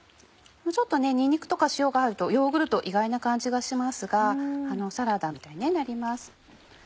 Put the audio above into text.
にんにくとか塩が入るとヨーグルト意外な感じがしますがサラダみたいになります。